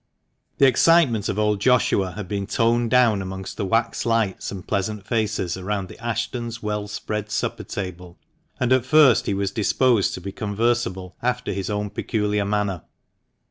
The excitement of old Joshua had been toned down amongst the wax lights and pleasant faces around the Ashton's well spread supper table, and at first he was disposed to be conversable, after his own peculiar manner.